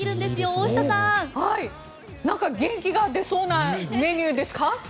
大下さんなんか元気が出そうなメニューですか？